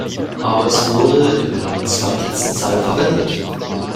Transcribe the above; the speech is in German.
Aber es wurde in der zweitletzten Zeile verwendet.